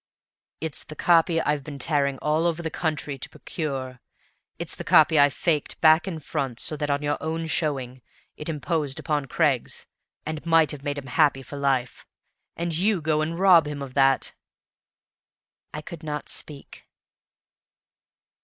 "It's the copy I've been tearing all over the country to procure. It's the copy I faked back and front, so that, on your own showing, it imposed upon Craggs, and might have made him happy for life. And you go and rob him of that!" I could not speak.